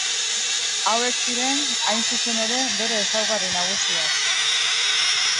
Hauek ziren hain zuzen ere bere ezaugarri nagusiak.